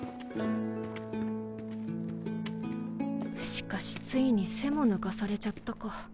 しかしついに背も抜かされちゃったか。